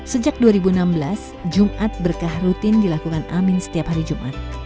sejak dua ribu enam belas jumat berkah rutin dilakukan amin setiap hari jumat